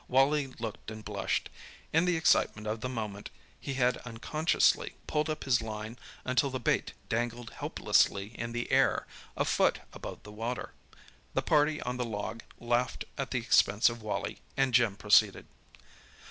Wally looked and blushed. In the excitement of the moment he had unconsciously pulled up his line until the bait dangled helplessly in the air, a foot above the water. The party on the log laughed at the expense of Wally, and Jim proceeded.